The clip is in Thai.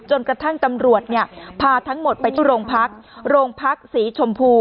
จนกระทั่งตำรวจเนี่ยพาทั้งหมดไปที่โรงพักโรงพักศรีชมพู